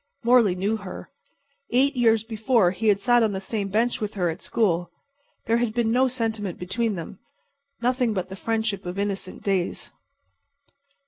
Morley knew her. Eight years before he had sat on the same bench with her at school. There had been no sentiment between them—nothing but the friendship of innocent days.